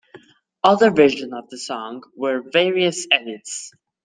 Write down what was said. Other versions of the song were various edits.